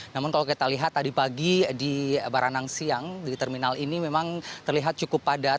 namun kalau kita lihat tadi pagi di baranang siang di terminal ini memang terlihat cukup padat